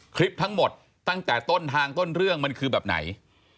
คลิปทั้งหมดตั้งแต่ต้นทางต้นเรื่องมันคือแบบไหน